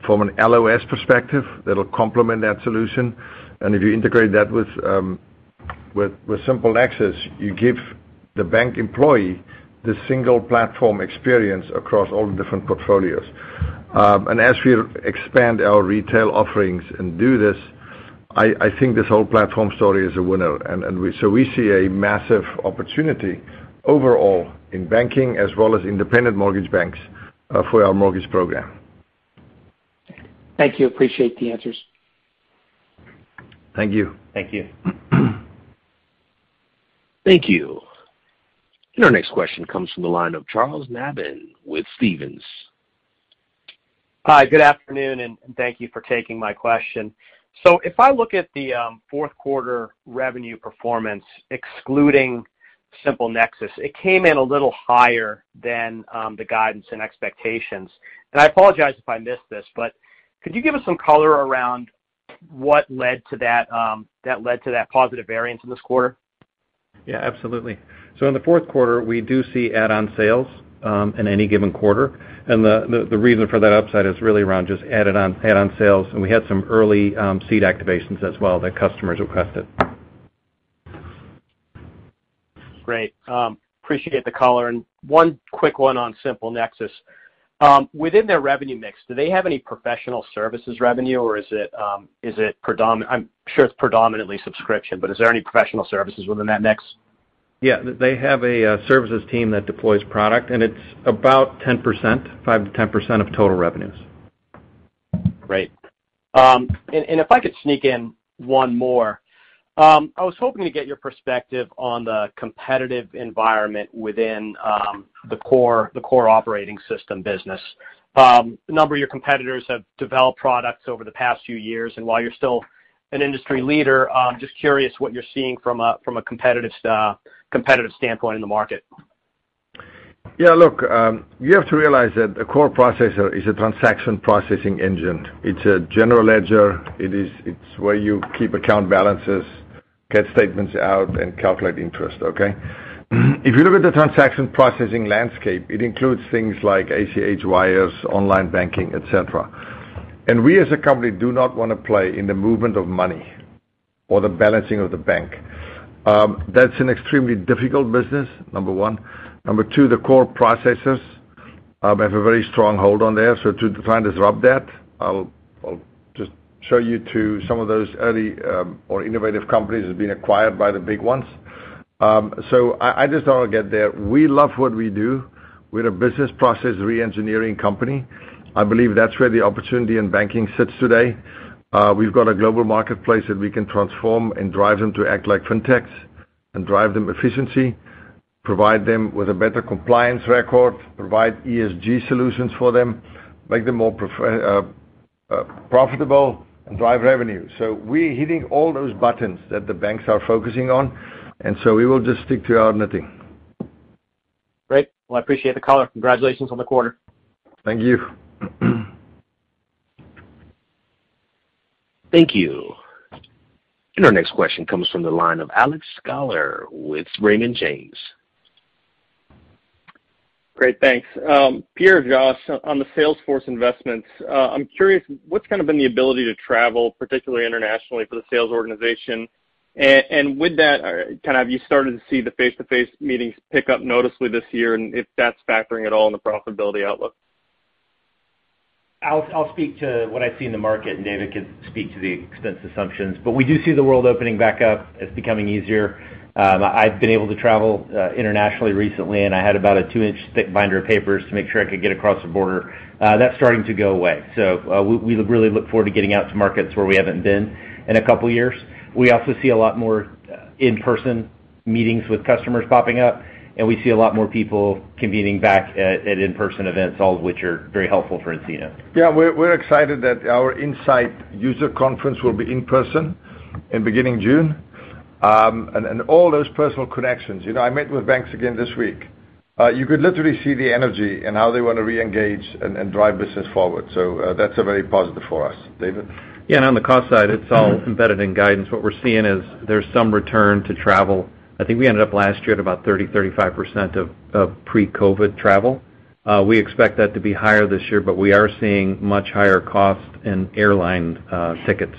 from an LOS perspective that'll complement that solution. If you integrate that with SimpleNexus, you give the bank employee the single platform experience across all the different portfolios. As we expand our retail offerings and do this, I think this whole platform story is a winner. We see a massive opportunity overall in banking as well as independent mortgage banks for our mortgage program. Thank you. I appreciate the answers. Thank you. Thank you. Thank you. Our next question comes from the line of Charles Nabhan with Stephens. Hi, good afternoon, and thank you for taking my question. If I look at the fourth quarter revenue performance excluding SimpleNexus, it came in a little higher than the guidance and expectations. I apologize if I missed this, but could you give us some color around what led to that positive variance in this quarter? Yeah, absolutely. In the fourth quarter, we do see add-on sales in any given quarter. The reason for that upside is really around just add-on sales. We had some early seed activations as well that customers requested. Great. Appreciate the color. One quick one on SimpleNexus. Within their revenue mix, do they have any professional services revenue or is it predominantly subscription, but is there any professional services within that mix? Yeah. They have a services team that deploys product, and it's about 10%, 5%-10% of total revenues. Great. If I could sneak in one more. I was hoping to get your perspective on the competitive environment within the core operating system business. A number of your competitors have developed products over the past few years, and while you're still an industry leader, just curious what you're seeing from a competitive standpoint in the market. Yeah, look, you have to realize that a core processor is a transaction processing engine. It's a general ledger. It is where you keep account balances. Get statements out and calculate interest, okay? If you look at the transaction processing landscape, it includes things like ACH wires, online banking, etc. We as a company do not wanna play in the movement of money or the balancing of the bank. That's an extremely difficult business, number one. Number two, the core processes have a very strong hold on there. To try and disrupt that, I'll just show you some of those early or innovative companies that have been acquired by the big ones. I just don't wanna get there. We love what we do. We're a business process re-engineering company. I believe that's where the opportunity in banking sits today. We've got a global marketplace that we can transform and drive them to act like fintechs and drive them efficiency, provide them with a better compliance record, provide ESG solutions for them, make them more profitable and drive revenue. We're hitting all those buttons that the banks are focusing on, and we will just stick to our knitting. Great. Well, I appreciate the call. Congratulations on the quarter. Thank you. Thank you. Our next question comes from the line of Alex Sklar with Raymond James. Great. Thanks. Pierre or Josh, on the Salesforce investments, I'm curious, what's kind of been the ability to travel, particularly internationally, for the sales organization? With that, kind of have you started to see the face-to-face meetings pick up noticeably this year, and if that's factoring at all in the profitability outlook? Alex, I'll speak to what I see in the market and David can speak to the expense assumptions. We do see the world opening back up. It's becoming easier. I've been able to travel internationally recently, and I had about a two-inch thick binder of papers to make sure I could get across the border. That's starting to go away. We really look forward to getting out to markets where we haven't been in a couple years. We also see a lot more in-person meetings with customers popping up, and we see a lot more people convening back at in-person events, all of which are very helpful for nCino. Yeah. We're excited that our nSight User Conference will be in person beginning in June. All those personal connections. You know, I met with banks again this week. You could literally see the energy and how they wanna reengage and drive business forward. That's very positive for us. David? Yeah. On the cost side, it's all embedded in guidance. What we're seeing is there's some return to travel. I think we ended up last year at about 30%-35% of pre-COVID travel. We expect that to be higher this year, but we are seeing much higher costs in airline tickets.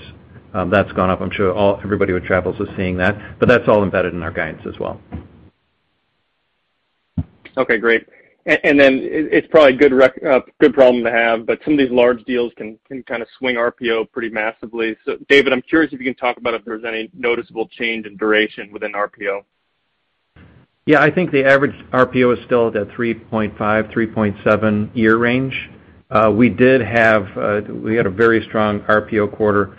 That's gone up. I'm sure everybody who travels is seeing that. That's all embedded in our guidance as well. Okay, great. And then it's probably a good problem to have, but some of these large deals can kinda swing RPO pretty massively. David, I'm curious if you can talk about if there's any noticeable change in duration within RPO? Yeah. I think the average RPO is still at a 3.5-3.7 year range. We had a very strong RPO quarter.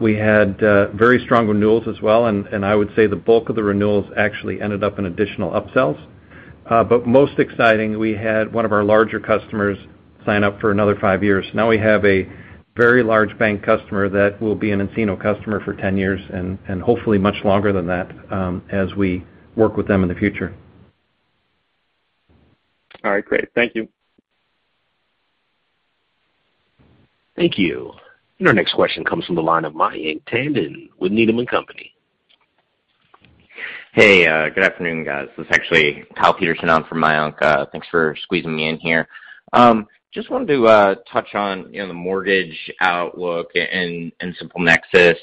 We had very strong renewals as well, and I would say the bulk of the renewals actually ended up in additional upsells. Most exciting, we had one of our larger customers sign up for another five years. Now we have a very large bank customer that will be an nCino customer for 10 years and hopefully much longer than that, as we work with them in the future. All right, great. Thank you. Thank you. Our next question comes from the line of Mayank Tandon with Needham & Company. Hey, good afternoon, guys. This is actually Kyle Peterson on for Mayank. Thanks for squeezing me in here. Just wanted to touch on, you know, the mortgage outlook and SimpleNexus.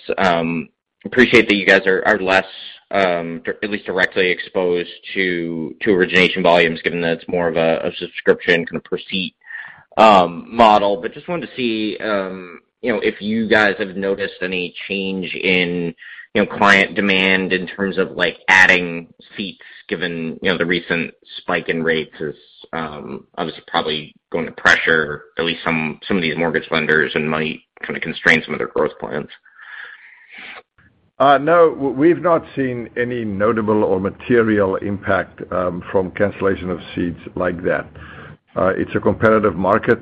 Appreciate that you guys are less, at least directly exposed to origination volumes given that it's more of a subscription kind of per-seat model. Just wanted to see, you know, if you guys have noticed any change in, you know, client demand in terms of like adding seats given, you know, the recent spike in rates is obviously probably going to pressure at least some of these mortgage lenders and might kinda constrain some of their growth plans. No, we've not seen any notable or material impact from cancellation of seats like that. It's a competitive market.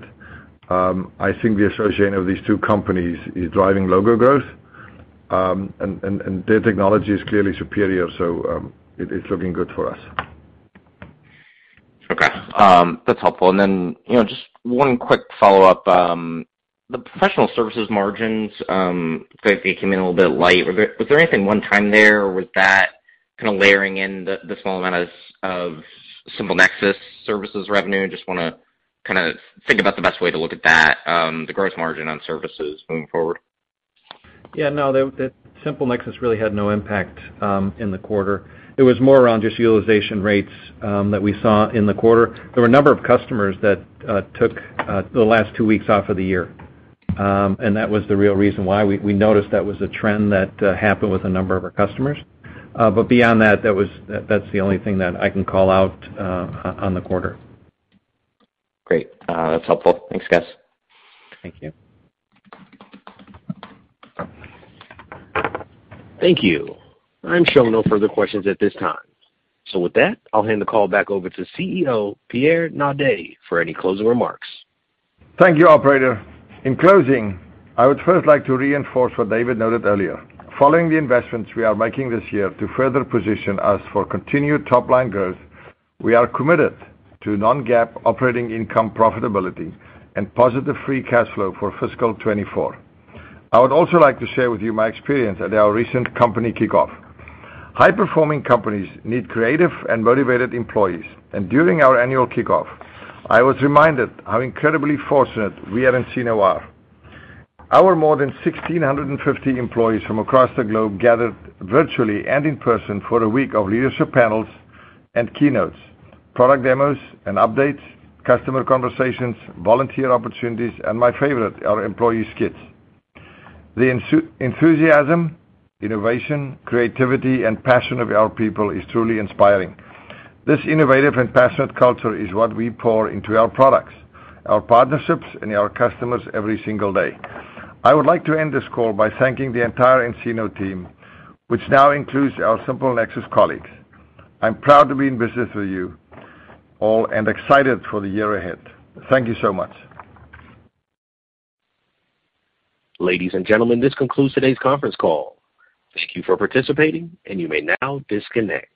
I think the association of these two companies is driving logo growth, and their technology is clearly superior, so it's looking good for us. Okay. That's helpful. You know, just one quick follow-up. The professional services margins, they came in a little bit light. Was there anything one-time there or was that kinda layering in the small amount of SimpleNexus services revenue? Just wanna kinda think about the best way to look at that, the growth margin on services moving forward. Yeah, no, the SimpleNexus really had no impact in the quarter. It was more around just utilization rates that we saw in the quarter. There were a number of customers that took the last two weeks off of the year. That was the real reason why. We noticed that was a trend that happened with a number of our customers. Beyond that's the only thing that I can call out on the quarter. Great. That's helpful. Thanks, guys. Thank you. Thank you. I'm showing no further questions at this time. With that, I'll hand the call back over to CEO Pierre Naudé for any closing remarks. Thank you, operator. In closing, I would first like to reinforce what David noted earlier. Following the investments we are making this year to further position us for continued top-line growth, we are committed to non-GAAP operating income profitability and positive free cash flow for fiscal 2024. I would also like to share with you my experience at our recent company kickoff. High-performing companies need creative and motivated employees, and during our annual kickoff, I was reminded how incredibly fortunate we at nCino are. Our more than 1,650 employees from across the globe gathered virtually and in person for a week of leadership panels and keynotes, product demos and updates, customer conversations, volunteer opportunities, and my favorite, our employee skits. The enthusiasm, innovation, creativity, and passion of our people is truly inspiring. This innovative and passionate culture is what we pour into our products, our partnerships, and our customers every single day. I would like to end this call by thanking the entire nCino team, which now includes our SimpleNexus colleagues. I'm proud to be in business with you all and excited for the year ahead. Thank you so much. Ladies and gentlemen, this concludes today's conference call. Thank you for participating, and you may now disconnect.